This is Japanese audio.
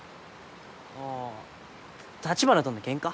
あぁ橘とのケンカ？